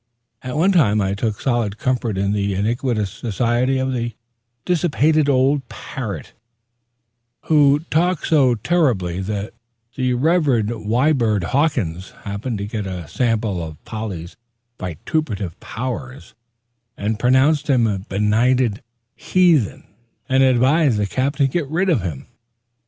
At one time I took solid comfort in the iniquitous society of a dissipated old parrot, who talked so terribly, that the Rev. Wibird Hawkins, happening to get a sample of Poll's vituperative powers, pronounced him "a benighted heathen," and advised the Captain to get rid of him.